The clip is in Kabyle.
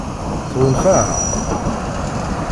Tɣunfa-aɣ?